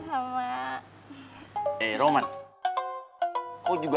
terima kasih rupanya mike